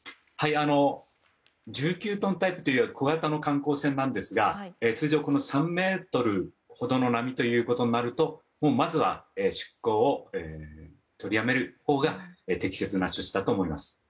１９トンタイプという小型の観光船なんですが通常、３ｍほどの波となるともうまずは出港を取りやめるほうが適切な措置だと思います。